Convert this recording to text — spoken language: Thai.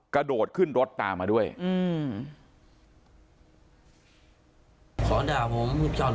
กระโดดขึ้นรถตามมาด้วยอืม